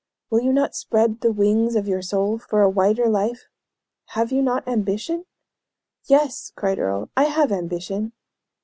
Will you not spread the wings of your soul for a wider life? Have you not ambition?" "Yes!" cried Earle; "I have ambition."